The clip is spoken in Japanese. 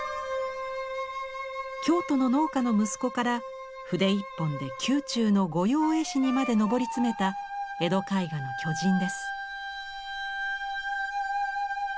京都の農家の息子から筆一本で宮中の御用絵師にまで上り詰めた江戸絵画の巨人です。